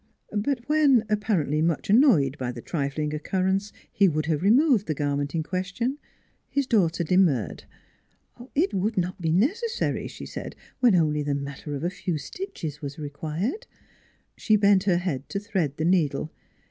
But when, apparently much annoyed by the trifling occurrence, he would have removed the garment in question, his daughter demurred. It would not be necessary, she said, when only the matter of a few stitches was required. She bent her head to thread the needle.